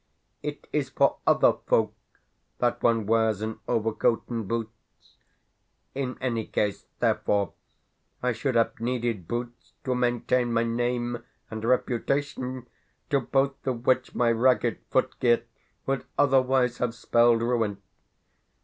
It is for OTHER folk that one wears an overcoat and boots. In any case, therefore, I should have needed boots to maintain my name and reputation; to both of which my ragged footgear would otherwise have spelled ruin.